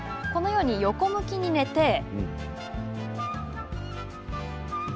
このように横向きに寝て。